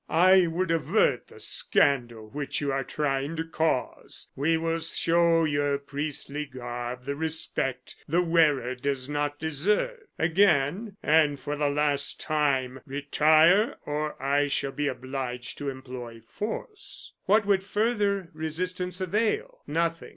I would avert the scandal which you are trying to cause. We will show your priestly garb the respect the wearer does not deserve. Again, and for the last time, retire, or I shall be obliged to employ force." What would further resistance avail? Nothing.